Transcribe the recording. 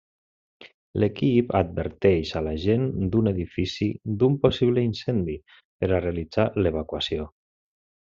L'equip adverteix a la gent d'un edifici d'un possible incendi, per a realitzar l'evacuació.